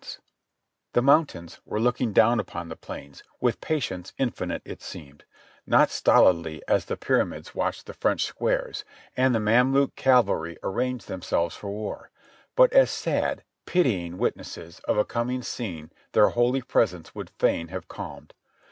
The THE SECOND MANASSAS 245 mountains were looking down upon the plains with patience in finite it seemed, not stolidly as the Pyramids watched the French squares and the Mameluke cavalry arrange themselves for war, but as sad, pitying witnesses of a coming scene their holy presence would fain have calmed.